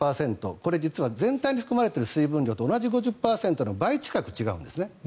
これは実は全体に含まれている水分量と同じ水分量の倍近く違うんです。